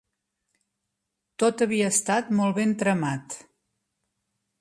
Tot havia estat molt ben tramat.